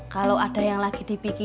kalau ada yang lagi dipikirin